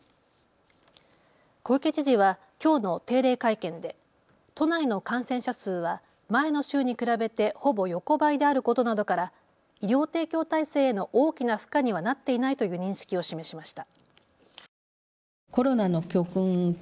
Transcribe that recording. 小池知事はきょうの定例会見で都内の感染者数は前の週に比べてほぼ横ばいであることなどから医療提供体制への大きな負荷にはなっていないという認識を示しました。